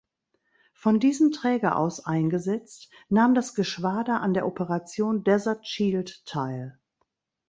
Von diesem Träger aus eingesetzt nahm das Geschwader an der Operation Desert Shield teil.